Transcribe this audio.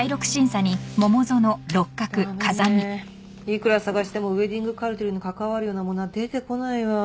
いくら捜してもウエディングカルテルに関わるようなものは出てこないわ。